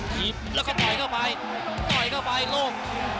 เฮียบแล้วก็ด่อยเข้าไปโดยเข้าไปโลก